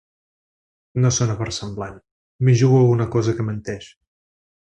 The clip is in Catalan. No sona versemblant. M'hi jugo alguna cosa que menteix.